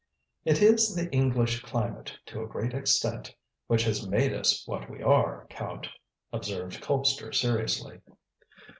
"It is the English climate, to a great extent, which has made us what we are, Count," observed Colpster seriously.